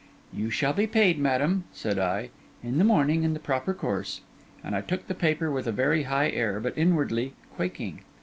'You shall be paid, madam,' said I, 'in the morning, in the proper course.' And I took the paper with a very high air, but inwardly quaking.